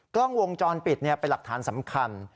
กล้องวงจรปิดเป็นหลักฐานสำคัญ